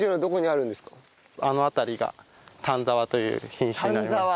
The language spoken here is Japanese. あの辺りが丹沢という品種になります。